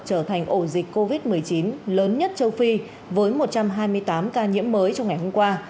trở thành ổ dịch covid một mươi chín lớn nhất châu phi với một trăm hai mươi tám ca nhiễm mới trong ngày hôm qua